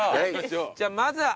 じゃあまずは。